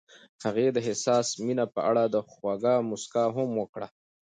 هغې د حساس مینه په اړه خوږه موسکا هم وکړه.